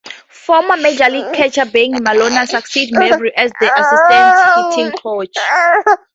Former major league catcher Bengie Molina succeeded Mabry as the assistant hitting coach.